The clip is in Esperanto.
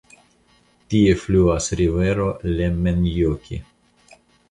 Tie fluas rivero Lemmenjoki.